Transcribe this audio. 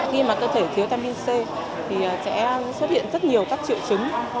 khi mà cơ thể thiếu tami c thì sẽ xuất hiện rất nhiều các triệu chứng